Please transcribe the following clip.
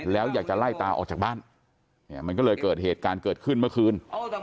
แล้วอยากจะไล่ตาออกจากบ้านเนี่ยมันก็เลยเกิดเหตุการณ์เกิดขึ้นเมื่อคืน